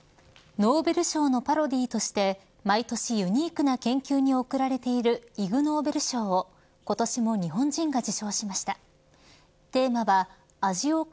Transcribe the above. ノーベル賞のパロディーとして毎年ユニークな研究に贈られているイグ・ノーベル賞を今年も日本人が受賞しました。